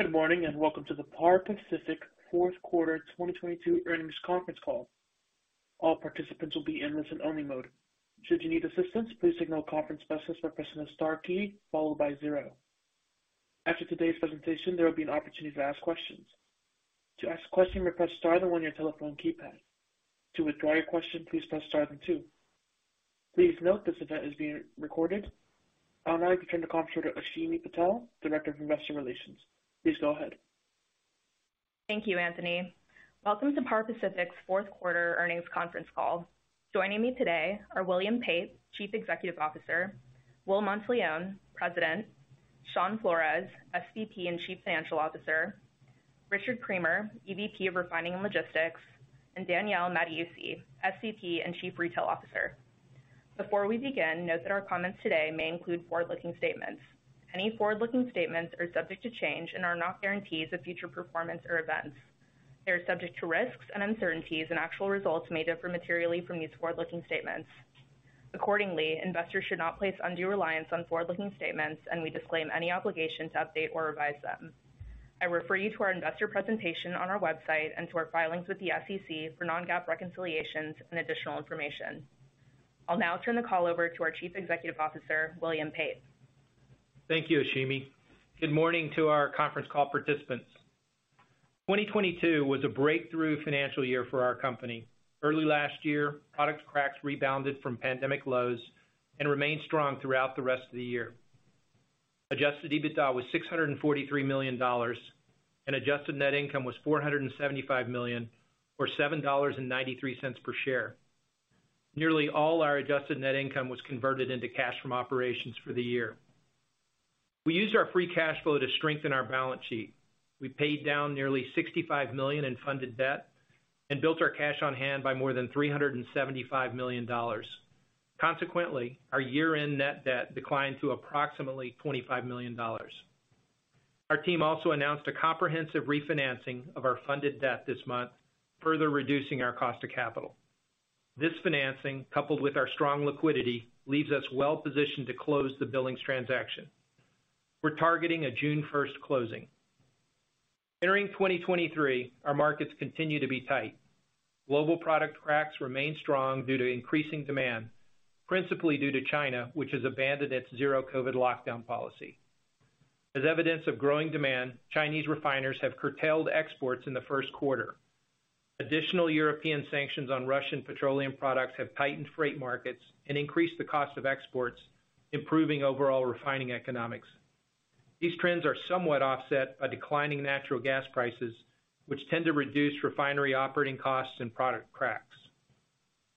Good morning, welcome to the Par Pacific Fourth Quarter 2022 Earnings Conference Call. All participants will be in listen-only mode. Should you need assistance, please signal a conference specialist by pressing the star key followed by zero. After today's presentation, there will be an opportunity to ask questions. To ask a question, press Star then one on your telephone keypad. To withdraw your question, please press Star then two. Please note this event is being recorded. I'll now return the conference to Ashimi Patel, Director of Investor Relations. Please go ahead. Thank you, Anthony. Welcome to Par Pacific Fourth Quarter 2022 Earnings Conference Call. Joining me today are William Pate, Chief Executive Officer, Will Monteleone, President, Shawn Flores, SVP and Chief Financial Officer, Richard Creamer, EVP of Refining and Logistics, and Danielle Mattiussi, SVP and Chief Retail Officer. Before we begin, note that our comments today may include forward-looking statements. Any forward-looking statements are subject to change and are not guarantees of future performance or events. They are subject to risks and uncertainties, and actual results may differ materially from these forward-looking statements. Accordingly, investors should not place undue reliance on forward-looking statements, and we disclaim any obligation to update or revise them. I refer you to our investor presentation on our website and to our filings with the SEC for non-GAAP reconciliations and additional information. I'll now turn the call over to our Chief Executive Officer, William Pate. Thank you, Ashimi. Good morning to our conference call participants. 2022 was a breakthrough financial year for our company. Early last year, product cracks rebounded from pandemic lows and remained strong throughout the rest of the year. Adjusted EBITDA was $643 million, and adjusted net income was $475 million or $7.93 per share. Nearly all our adjusted net income was converted into cash from operations for the year. We used our free cash flow to strengthen our balance sheet. We paid down nearly $65 million in funded debt and built our cash on hand by more than $375 million. Consequently, our year-end net debt declined to approximately $25 million. Our team also announced a comprehensive refinancing of our funded debt this month, further reducing our cost of capital. This financing, coupled with our strong liquidity, leaves us well-positioned to close the billings transaction. We're targeting a June 1st closing. Entering 2023, our markets continue to be tight. Global product cracks remain strong due to increasing demand, principally due to China, which has abandoned its zero COVID lockdown policy. As evidence of growing demand, Chinese refiners have curtailed exports in the 1st quarter. Additional European sanctions on Russian petroleum products have tightened freight markets and increased the cost of exports, improving overall refining economics. These trends are somewhat offset by declining natural gas prices, which tend to reduce refinery operating costs and product cracks.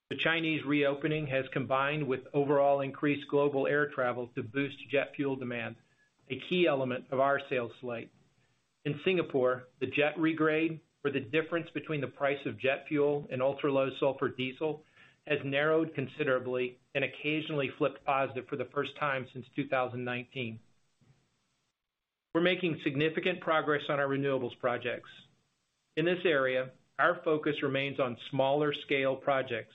The Chinese reopening has combined with overall increased global air travel to boost jet fuel demand, a key element of our sales slate. In Singapore, the jet regrade or the difference between the price of jet fuel and ultra-low sulfur diesel has narrowed considerably and occasionally flipped positive for the first time since 2019. We're making significant progress on our renewables projects. In this area, our focus remains on smaller scale projects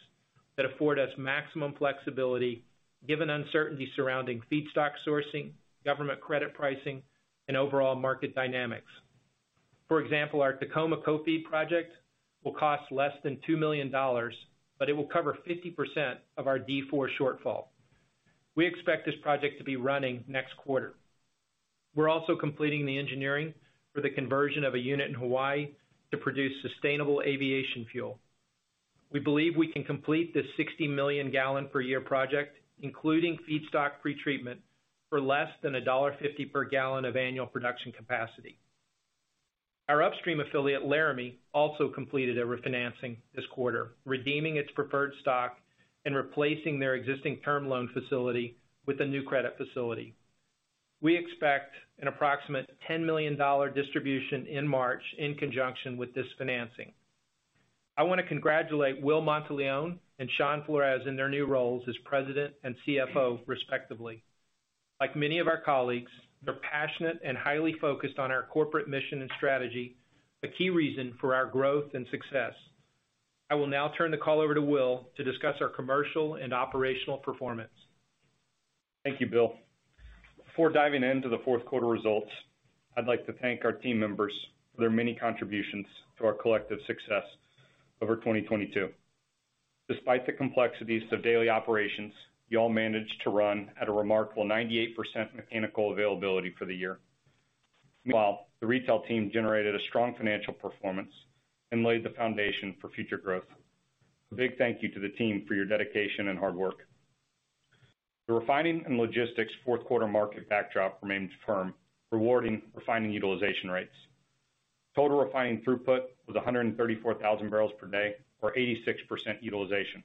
that afford us maximum flexibility given uncertainty surrounding feedstock sourcing, government credit pricing, and overall market dynamics. For example, our Tacoma co-feed project will cost less than $2 million, but it will cover 50% of our D4 shortfall. We expect this project to be running next quarter. We're also completing the engineering for the conversion of a unit in Hawaii to produce sustainable aviation fuel. We believe we can complete this 60 million gal-per-year project, including feedstock pretreatment, for less than $1.50 per gallon of annual production capacity. Our upstream affiliate, Laramie, also completed a refinancing this quarter, redeeming its preferred stock and replacing their existing term loan facility with a new credit facility. We expect an approximate $10 million distribution in March in conjunction with this financing. I wanna congratulate Will Monteleone and Shawn Flores in their new roles as President and CFO, respectively. Like many of our colleagues, they're passionate and highly focused on our corporate mission and strategy, a key reason for our growth and success. I will now turn the call over to Will to discuss our commercial and operational performance. Thank you, Bill. Before diving into the fourth quarter results, I'd like to thank our team members for their many contributions to our collective success over 2022. Despite the complexities of daily operations, y'all managed to run at a remarkable 98% mechanical availability for the year, while the retail team generated a strong financial performance and laid the foundation for future growth. A big thank you to the team for your dedication and hard work. The refining and logistics fourth quarter market backdrop remains firm, rewarding refining utilization rates. Total refining throughput was 134,000 bpd or 86% utilization.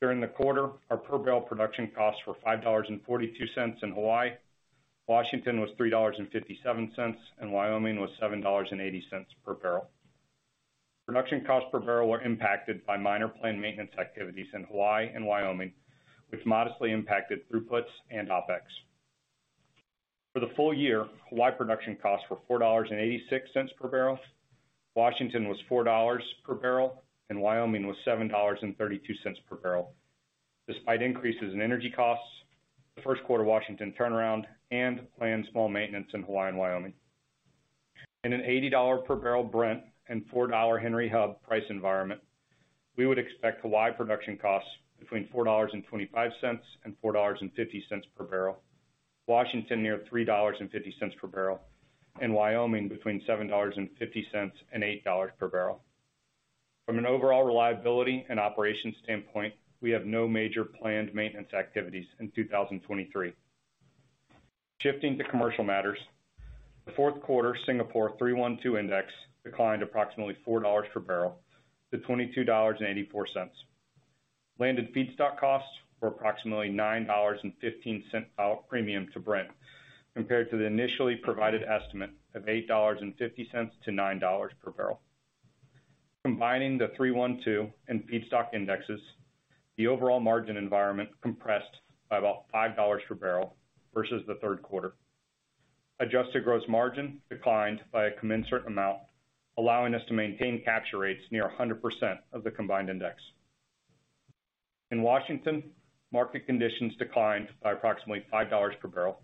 During the quarter, our per barrel production costs were $5.42 in Hawaii. Washington was $3.57, and Wyoming was $7.80 per barrel. Production costs per barrel were impacted by minor planned maintenance activities in Hawaii and Wyoming, which modestly impacted throughputs and OpEx. For the full year, Hawaii production costs were $4.86 per barrel, Washington was $4.00 per barrel, and Wyoming was $7.32 per barrel. Despite increases in energy costs, the first quarter Washington turnaround and planned small maintenance in Hawaii and Wyoming. In an $80 per barrel Brent and $4.00 Henry Hub price environment, we would expect Hawaii production costs between $4.25 and $4.50 per barrel. Washington near $3.50 per barrel, and Wyoming between $7.50 and $8.00 per barrel. From an overall reliability and operations standpoint, we have no major planned maintenance activities in 2023. Shifting to commercial matters, the fourth quarter Singapore 3-1-2 index declined approximately $4 per barrel to $22.84. Landed feedstock costs were approximately $9.15 premium to Brent compared to the initially provided estimate of $8.50-$9 per barrel. Combining the 3-1-2 and feedstock indexes, the overall margin environment compressed by about $5 per barrel versus the third quarter. Adjusted gross margin declined by a commensurate amount, allowing us to maintain capture rates near 100% of the combined index. In Washington, market conditions declined by approximately $5 per barrel,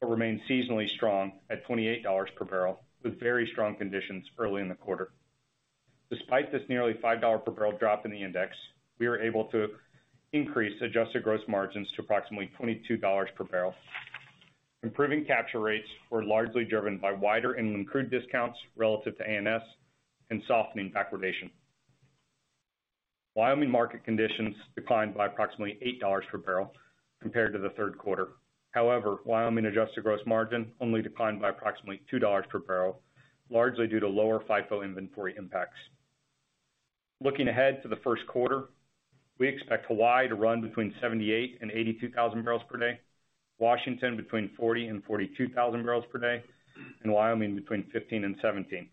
but remained seasonally strong at $28 per barrel, with very strong conditions early in the quarter. Despite this nearly $5 per barrel drop in the index, we were able to increase adjusted gross margins to approximately $22 per barrel. Improving capture rates were largely driven by wider inland crude discounts relative to ANS and softening backwardation. Wyoming market conditions declined by approximately $8 per barrel compared to the third quarter. Wyoming adjusted gross margin only declined by approximately $2 per barrel, largely due to lower FIFO inventory impacts. Looking ahead to the first quarter, we expect Hawaii to run between 78,000 and 82,000 bpd, Washington between 40,000 and 42,000 bpd, and Wyoming between 15 and 17.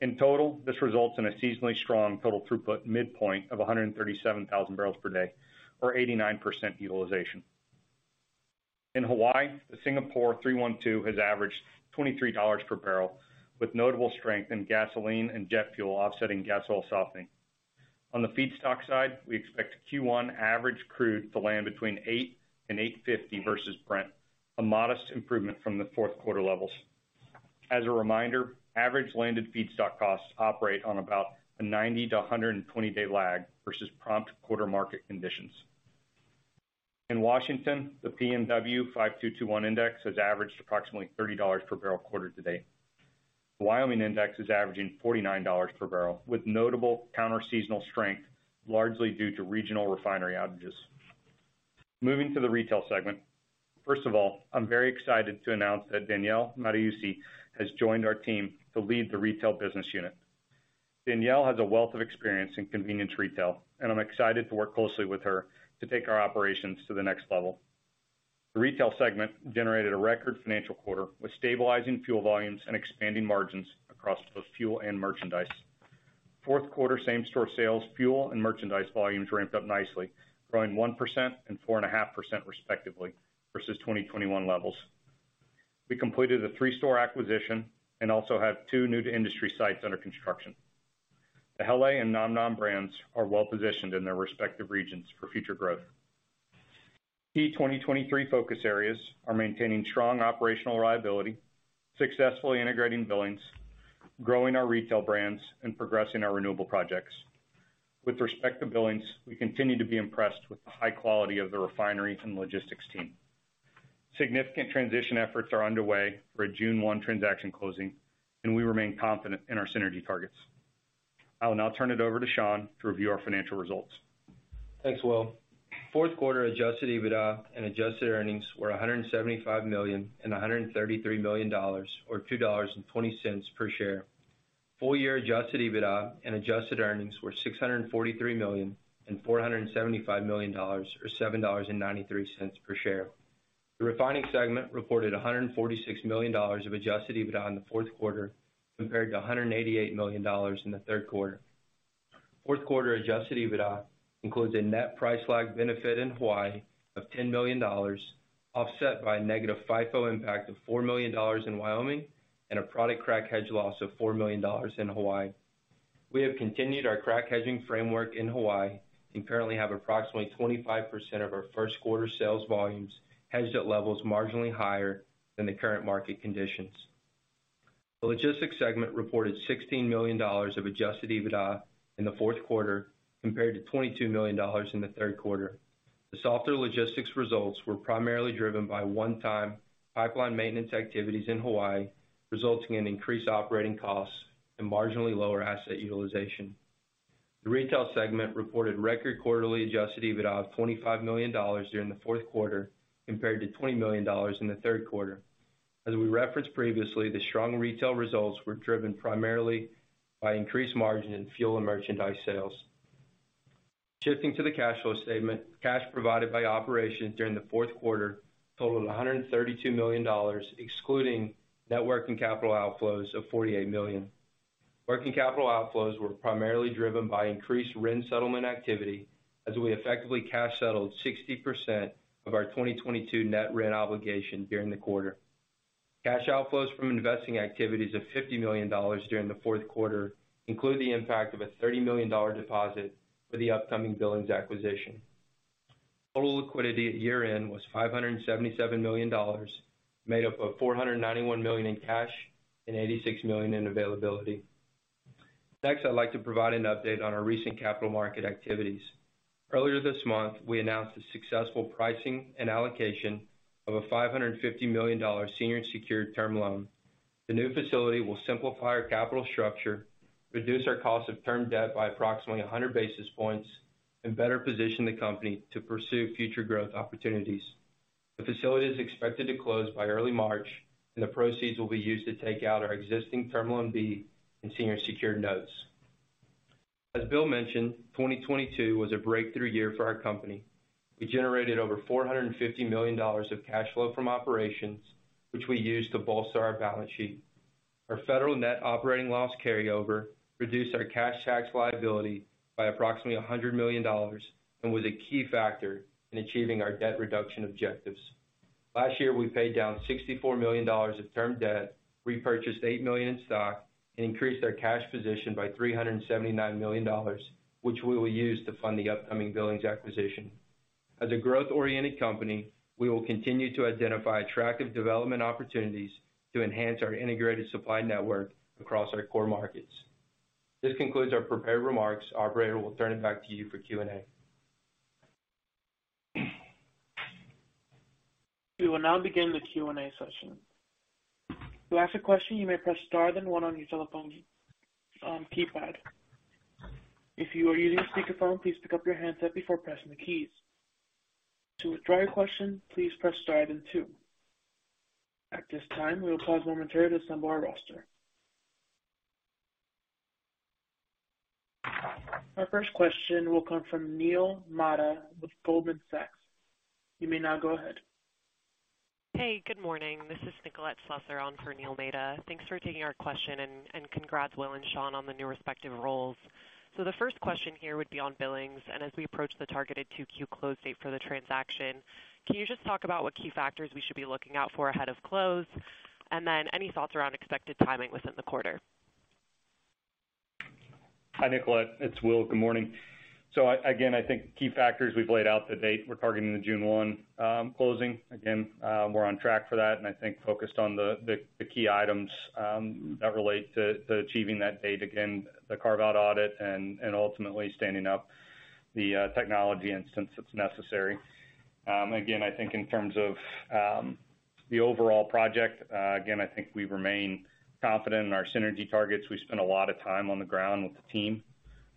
This results in a seasonally strong total throughput midpoint of 137,000 bpd or 89% utilization. In Hawaii, the Singapore 3-1-2 has averaged $23 per barrel, with notable strength in gasoline and jet fuel offsetting gas oil softening. On the feedstock side, we expect Q1 average crude to land between $8-$8.50 versus Brent, a modest improvement from the fourth quarter levels. As a reminder, average landed feedstock costs operate on about a 90 to 120 day lag versus prompt quarter market conditions. In Washington, the PNW 5-2-2-1 index has averaged approximately $30 per barrel quarter to date. The Wyoming index is averaging $49 per barrel, with notable counter-seasonal strength, largely due to regional refinery outages. Moving to the retail segment. First of all, I'm very excited to announce that Danielle Mattiussi has joined our team to lead the retail business unit. Danielle has a wealth of experience in convenience retail, and I'm excited to work closely with her to take our operations to the next level. The retail segment generated a record financial quarter with stabilizing fuel volumes and expanding margins across both fuel and merchandise. Fourth quarter same-store sales, fuel, and merchandise volumes ramped up nicely, growing 1% and 4.5% respectively, versus 2021 levels. We completed a three-store acquisition and also have two new-to-industry sites under construction. The Hele and nomnom brands are well-positioned in their respective regions for future growth. Key 2023 focus areas are maintaining strong operational reliability, successfully integrating Billings, growing our retail brands, and progressing our renewable projects. With respect to Billings, we continue to be impressed with the high quality of the refinery and logistics team. Significant transition efforts are underway for a June 1 transaction closing, and we remain confident in our synergy targets. I will now turn it over to Shawn to review our financial results. Thanks, Will. Fourth quarter Adjusted EBITDA and adjusted earnings were $175 million and $133 million, or $2.20 per share. Full year Adjusted EBITDA and adjusted earnings were $643 million and $475 million, or $7.93 per share. The refining segment reported $146 million of Adjusted EBITDA in the fourth quarter compared to $188 million in the third quarter. Fourth quarter Adjusted EBITDA includes a net price lag benefit in Hawaii of $10 million, offset by a negative FIFO impact of $4 million in Wyoming and a product crack hedge loss of $4 million in Hawaii. We have continued our crack hedging framework in Hawaii and currently have approximately 25% of our first quarter sales volumes hedged at levels marginally higher than the current market conditions. The logistics segment reported $16 million of Adjusted EBITDA in the fourth quarter compared to $22 million in the third quarter. The softer logistics results were primarily driven by one-time pipeline maintenance activities in Hawaii, resulting in increased operating costs and marginally lower asset utilization. The retail segment reported record quarterly Adjusted EBITDA of $25 million during the fourth quarter compared to $20 million in the third quarter. As we referenced previously, the strong retail results were driven primarily by increased margin in fuel and merchandise sales. Shifting to the cash flow statement, cash provided by operations during the fourth quarter totaled $132 million, excluding net working capital outflows of $48 million. Working capital outflows were primarily driven by increased RIN settlement activity as we effectively cash settled 60% of our 2022 net RIN obligation during the quarter. Cash outflows from investing activities of $50 million during the fourth quarter include the impact of a $30 million deposit for the upcoming Billings acquisition. Total liquidity at year-end was $577 million, made up of $491 million in cash and $86 million in availability. Next, I'd like to provide an update on our recent capital market activities. Earlier this month, we announced the successful pricing and allocation of a $550 million Senior Secured Term Loan B. The new facility will simplify our capital structure, reduce our cost of term debt by approximately 100 basis points, and better position the company to pursue future growth opportunities. The facility is expected to close by early March, and the proceeds will be used to take out our existing Term Loan B and Senior Secured Notes. As Bill mentioned, 2022 was a breakthrough year for our company. We generated over $450 million of cash flow from operations, which we used to bolster our balance sheet. Our federal net operating loss carryover reduced our cash tax liability by approximately $100 million and was a key factor in achieving our debt reduction objectives. Last year, we paid down $64 million of term debt, repurchased $8 million in stock, and increased our cash position by $379 million, which we will use to fund the upcoming Billings acquisition. As a growth-oriented company, we will continue to identify attractive development opportunities to enhance our integrated supply network across our core markets. This concludes our prepared remarks. Operator, we'll turn it back to you for Q&A. We will now begin the Q&A session. To ask a question, you may press star then one on your telephone keypad. If you are using a speakerphone, please pick up your handset before pressing the keys. To withdraw your question, please press star then two. At this time, we will pause momentarily to assemble our roster. Our first question will come from Neil Mehta with Goldman Sachs. You may now go ahead. Hey, good morning. This is Nicolette Slusser on for Neil Mehta. Thanks for taking our question, and congrats, Will and Shawn, on the new respective roles. The first question here would be on Billings, and as we approach the targeted 2Q close date for the transaction, can you just talk about what key factors we should be looking out for ahead of close? Any thoughts around expected timing within the quarter? Hi, Nicolette. It's Will. Good morning. Again, I think key factors we've laid out to date, we're targeting the June 1 closing. Again, we're on track for that and I think focused on the key items that relate to achieving that date. Again, the carve-out audit and ultimately standing up the technology instance that's necessary. Again, I think in terms of the overall project, again, I think we remain confident in our synergy targets. We spend a lot of time on the ground with the team.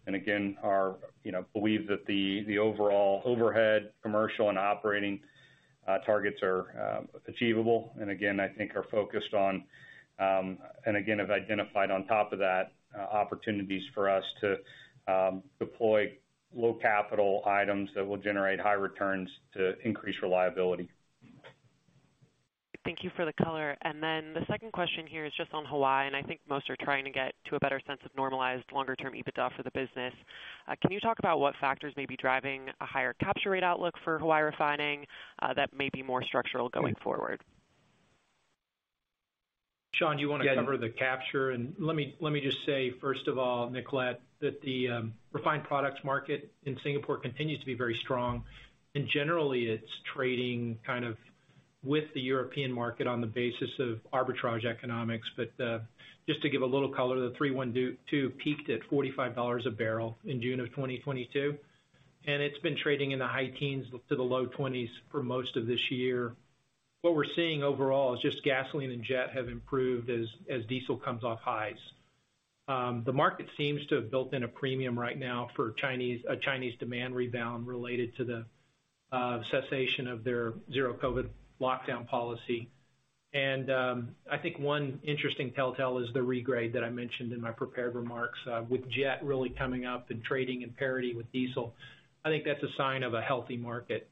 Again, our... You know, believe that the overall overhead, commercial, and operating targets are achievable, and again, I think are focused on, and again, have identified on top of that, opportunities for us to deploy low capital items that will generate high returns to increase reliability. Thank you for the color. The second question here is just on Hawaii, and I think most are trying to get to a better sense of normalized longer-term EBITDA for the business. Can you talk about what factors may be driving a higher capture rate outlook for Hawaii Refining that may be more structural going forward? Shawn, do you wanna cover the capture? Let me just say, first of all, Nicolette, that the refined products market in Singapore continues to be very strong. Generally, it's trading kind of with the European market on the basis of arbitrage economics. Just to give a little color, the 3-1-2 peaked at $45 a barrel in June of 2022, and it's been trading in the high teens to the low 20s for most of this year. What we're seeing overall is just gasoline and jet have improved as diesel comes off highs. The market seems to have built in a premium right now for a Chinese demand rebound related to the cessation of their zero COVID lockdown policy. I think one interesting tell-tale is the regrade that I mentioned in my prepared remarks, with jet really coming up and trading in parity with diesel. I think that's a sign of a healthy market.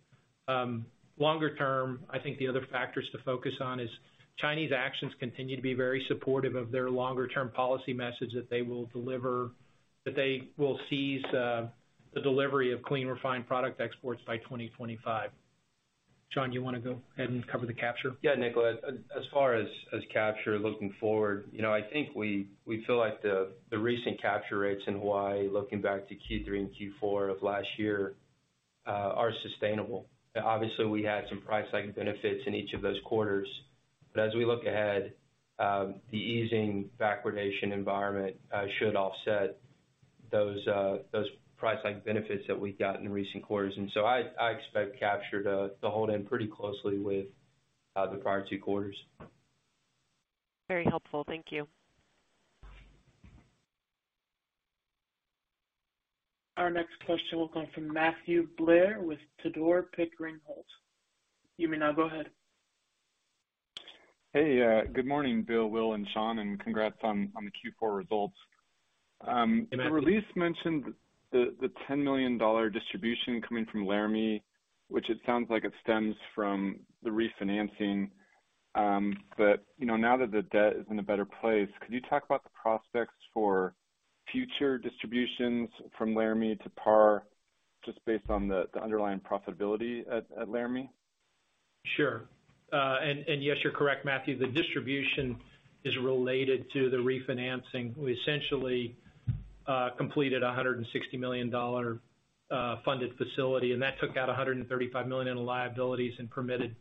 Longer term, I think the other factors to focus on is Chinese actions continue to be very supportive of their longer-term policy message that they will seize the delivery of clean, refined product exports by 2025. Shawn, do you wanna go ahead and cover the capture? Yeah, Nicolette. As far as capture looking forward, you know, I think we feel like the recent capture rates in Hawaii, looking back to Q3 and Q4 of last year, are sustainable. Obviously, we had some price hike benefits in each of those quarters. As we look ahead, the easing backwardation environment should offset those price hike benefits that we got in recent quarters. I expect capture to hold in pretty closely with the prior two quarters. Very helpful. Thank you. Our next question will come from Matthew Blair with Tudor, Pickering Holt. You may now go ahead. Hey. Good morning, Bill, Will, and Shawn, congrats on the Q4 results. Hey, Matthew. The release mentioned the $10 million distribution coming from Laramie, which it sounds like it stems from the refinancing. You know, now that the debt is in a better place, could you talk about the prospects for future distributions from Laramie to Par, just based on the underlying profitability at Laramie? Sure. Yes, you're correct, Matthew. The distribution is related to the refinancing. We essentially completed a $160 million funded facility, and that took out $135 million in liabilities and permitted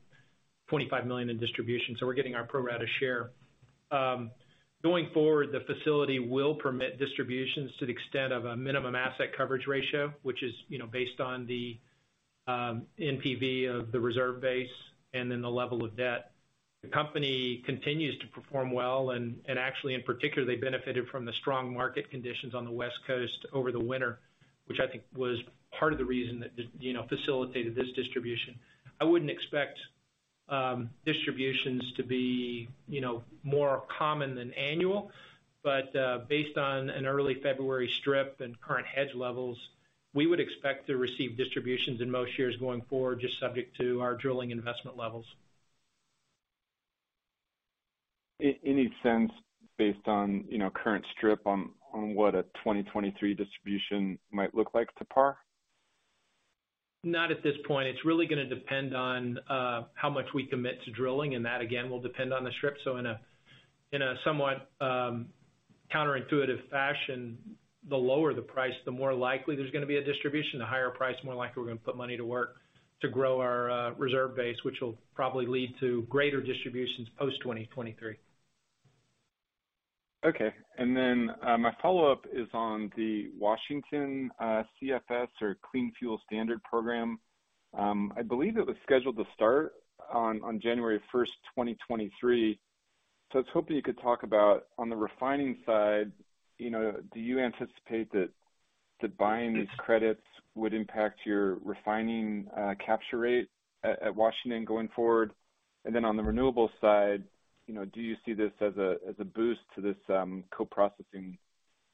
$25 million in distribution. We're getting our pro rata share. Going forward, the facility will permit distributions to the extent of a minimum asset coverage ratio, which is, you know, based on the NPV of the reserve base and then the level of debt. The company continues to perform well, and actually, in particular, they benefited from the strong market conditions on the West Coast over the winter, which I think was part of the reason that, you know, facilitated this distribution. I wouldn't expect distributions to be, you know, more common than annual. Based on an early February strip and current hedge levels, we would expect to receive distributions in most years going forward, just subject to our drilling investment levels. Any sense based on, you know, current strip on what a 2023 distribution might look like to Par? Not at this point. It's really gonna depend on how much we commit to drilling, and that again will depend on the strip. In a somewhat counterintuitive fashion, the lower the price, the more likely there's gonna be a distribution. The higher price, more likely we're gonna put money to work to grow our reserve base, which will probably lead to greater distributions post 2023. Okay. Then, my follow-up is on the Washington CFS or Clean Fuel Standard program. I believe it was scheduled to start on January 1st, 2023. I was hoping you could talk about on the refining side, you know, do you anticipate that buying these credits would impact your refining capture rate at Washington going forward? Then on the renewable side, you know, do you see this as a boost to this co-processing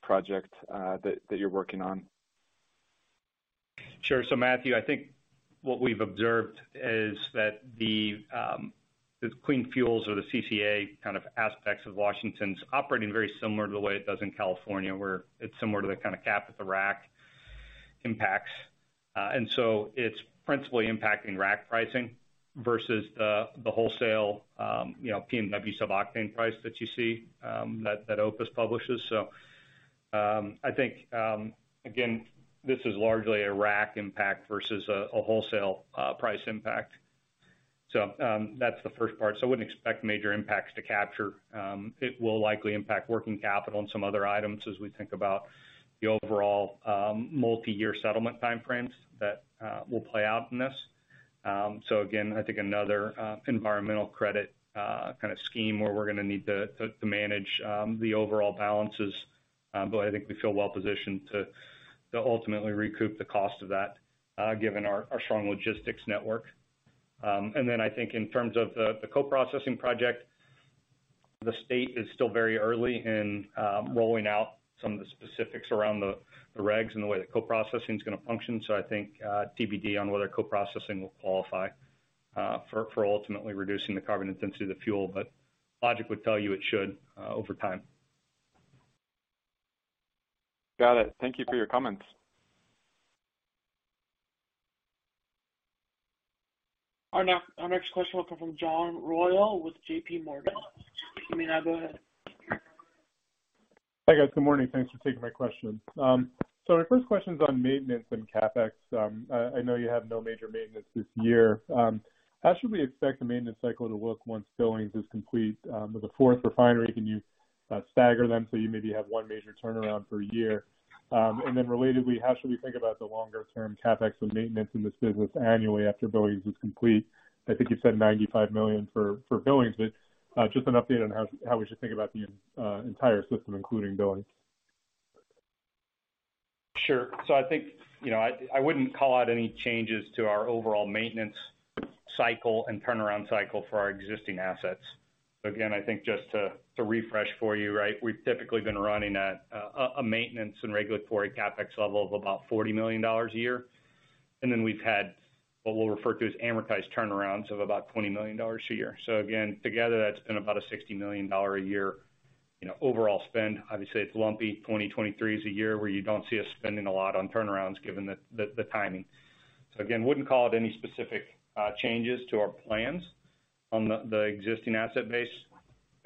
project that you're working on? Sure. Matthew, I think what we've observed is that the clean fuels or the CCA kind of aspects of Washington's operating very similar to the way it does in California, where it's similar to the kind of cap that the rack impacts. It's principally impacting rack pricing versus the wholesale, you know, PNW sub-octane price that you see that OPIS publishes. I think again, this is largely a rack impact versus a wholesale price impact. That's the first part. I wouldn't expect major impacts to capture. It will likely impact working capital and some other items as we think about the overall multi-year settlement time frames that will play out in this. Again, I think another environmental credit kind of scheme where we're gonna need to manage the overall balances. I think we feel well positioned to ultimately recoup the cost of that given our strong logistics network. Then I think in terms of the co-processing project, the state is still very early in rolling out some of the specifics around the regs and the way that co-processing is gonna function. I think TBD on whether co-processing will qualify for ultimately reducing the carbon intensity of the fuel, but logic would tell you it should over time. Got it. Thank you for your comments. Our next question will come from John Royall with JPMorgan. You may now go ahead. Hi, guys. Good morning. Thanks for taking my questions. My first question's on maintenance and CapEx. I know you have no major maintenance this year. How should we expect the maintenance cycle to look once Billings is complete? With a fourth refinery, can you stagger them, so you maybe have one major turnaround per year? Relatedly, how should we think about the longer-term CapEx and maintenance in this business annually after Billings is complete? I think you said $95 million for Billings, but just an update on how we should think about the entire system, including Billings. Sure. I think, you know, I wouldn't call out any changes to our overall maintenance cycle and turnaround cycle for our existing assets. Again, I think just to refresh for you, right, we've typically been running at a maintenance and regulatory CapEx level of about $40 million a year. We've had what we'll refer to as amortized turnarounds of about $20 million a year. Again, together, that's been about a $60 million a year, you know, overall spend. Obviously, it's lumpy. 2023 is a year where you don't see us spending a lot on turnarounds given the timing. Again, wouldn't call it any specific changes to our plans on the existing asset base.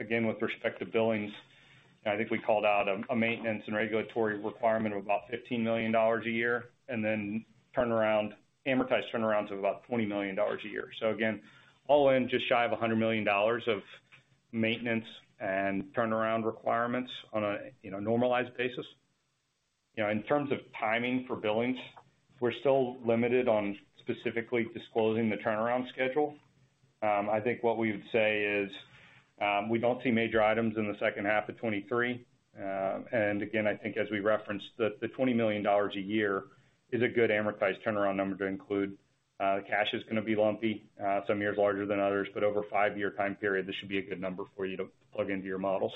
With respect to Billings, I think we called out a maintenance and regulatory requirement of about $15 million a year, and amortized turnarounds of about $20 million a year. All in just shy of $100 million of maintenance and turnaround requirements on a, you know, normalized basis. You know, in terms of timing for Billings, we're still limited on specifically disclosing the turnaround schedule. I think what we would say is, we don't see major items in the second half of 2023. Again, I think as we referenced, the $20 million a year is a good amortized turnaround number to include. The cash is gonna be lumpy, some years larger than others, but over a five-year time period, this should be a good number for you to plug into your models.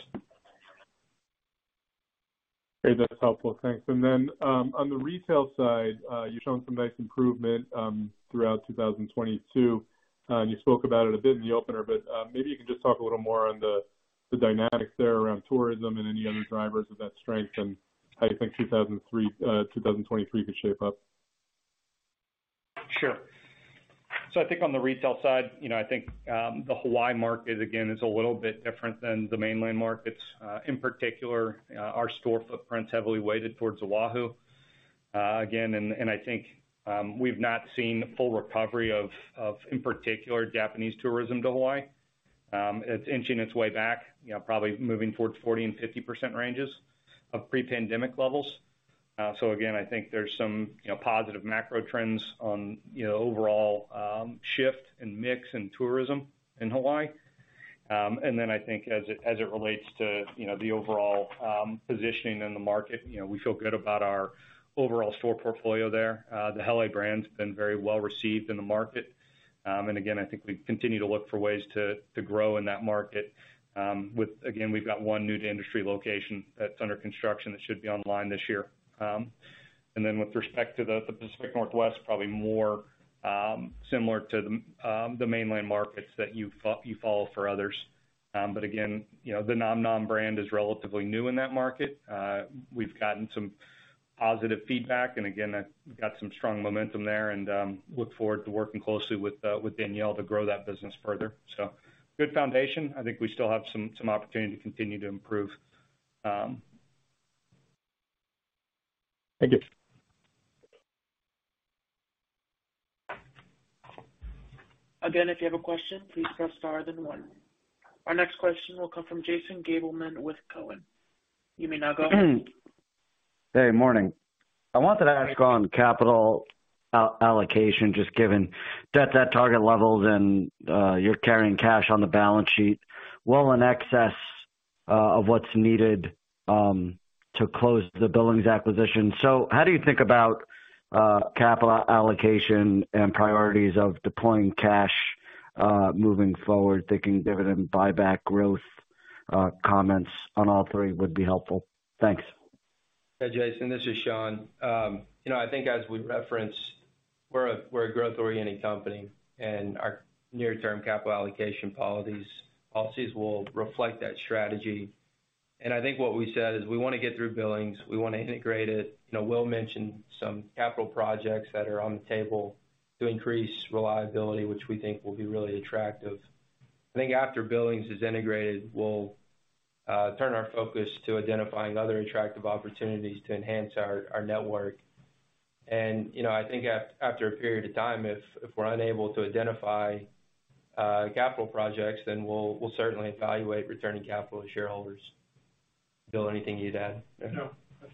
Great. That's helpful. Thanks. Then, on the retail side, you're showing some nice improvement, throughout 2022. You spoke about it a bit in the opener, but, maybe you can just talk a little more on the dynamics there around tourism and any other drivers of that strength, and how you think 2023 could shape up. Sure. I think on the retail side, you know, I think, the Hawaii market, again, is a little bit different than the mainland markets. In particular, our store footprint's heavily weighted towards Oahu. Again, I think, we've not seen full recovery of in particular Japanese tourism to Hawaii. It's inching its way back, you know, probably moving towards 40% and 50% ranges of pre-pandemic levels. Again, I think there's some, you know, positive macro trends on, you know, overall shift and mix in tourism in Hawaii. I think as it relates to, you know, the overall positioning in the market, you know, we feel good about our overall store portfolio there. The Hele brand's been very well received in the market. Again, I think we continue to look for ways to grow in that market, with again, we've got one new-to-industry location that's under construction that should be online this year. Then with respect to the Pacific Northwest, probably more similar to the mainland markets that you follow for others. Again, you know, the nomnom brand is relatively new in that market. We've gotten some positive feedback and again, we've got some strong momentum there and look forward to working closely with Danielle to grow that business further. Good foundation. I think we still have some opportunity to continue to improve. Thank you. Again, if you have a question, please press star then one. Our next question will come from Jason Gabelman with Cowen. You may now go ahead. Hey, morning. I wanted to ask on capital allocation just given debt at target levels and you're carrying cash on the balance sheet well in excess of what's needed to close the Billings acquisition. How do you think about capital allocation and priorities of deploying cash moving forward, thinking dividend, buyback, growth? Comments on all three would be helpful. Thanks. Hey, Jason, this is Shawn. you know, I think as we referenced, we're a growth-orienting company, our near-term capital allocation policies will reflect that strategy. I think what we said is we wanna get through Billings, we wanna integrate it. You know, Will mentioned some capital projects that are on the table to increase reliability, which we think will be really attractive. I think after Billings is integrated, we'll turn our focus to identifying other attractive opportunities to enhance our network. you know, I think after a period of time, if we're unable to identify, capital projects, then we'll certainly evaluate returning capital to shareholders. Bill, anything you'd add? No, that's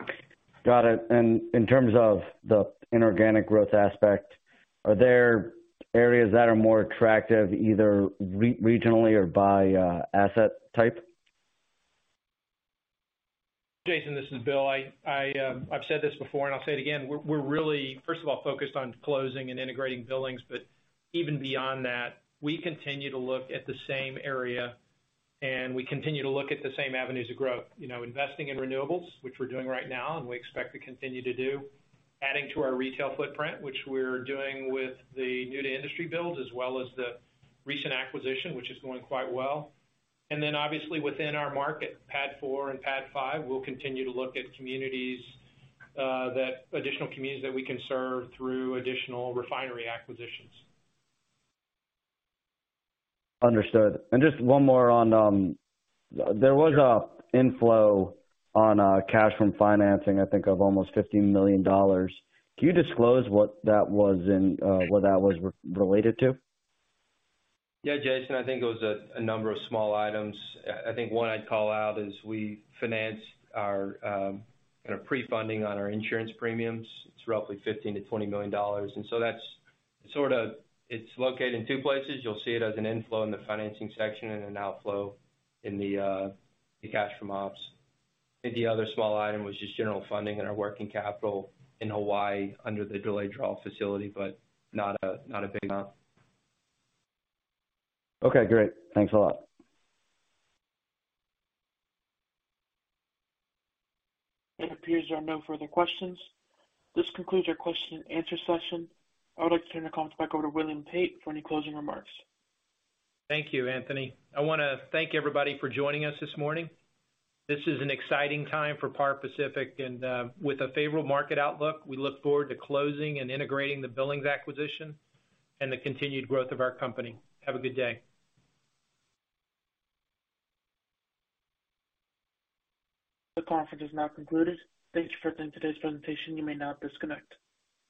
it. Got it. In terms of the inorganic growth aspect, are there areas that are more attractive either re-regionally or by asset type? Jason, this is Bill. I've said this before, and I'll say it again. We're really, first of all, focused on closing and integrating Billings. Even beyond that, we continue to look at the same area, and we continue to look at the same avenues of growth. You know, investing in renewables, which we're doing right now, and we expect to continue to do. Adding to our retail footprint, which we're doing with the new-to-industry build, as well as the recent acquisition, which is going quite well. Obviously within our market, PADD IV and PADD V, we'll continue to look at communities that additional communities that we can serve through additional refinery acquisitions. Understood. Just one more on. There was an inflow on cash from financing, I think of almost $50 million. Can you disclose what that was and what that was related to? Yeah, Jason, I think it was a number of small items. I think one I'd call out is we financed our kind of pre-funding on our insurance premiums. It's roughly $15 million-$20 million. That's located in two places. You'll see it as an inflow in the financing section and an outflow in the cash from ops. I think the other small item was just general funding in our working capital in Hawaii under the delayed draw facility, not a big amount. Okay, great. Thanks a lot. It appears there are no further questions. This concludes our question and answer session. I would like to turn the call back over to William Pate for any closing remarks. Thank you, Anthony. I wanna thank everybody for joining us this morning. This is an exciting time for Par Pacific. With a favorable market outlook, we look forward to closing and integrating the Billings acquisition and the continued growth of our company. Have a good day. The conference is now concluded. Thank you for attending today's presentation. You may now disconnect.